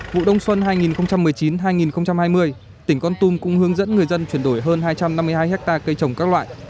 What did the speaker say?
vụ đông xuân hai nghìn một mươi chín hai nghìn hai mươi tỉnh con tum cũng hướng dẫn người dân chuyển đổi hơn hai trăm năm mươi hai hectare cây trồng các loại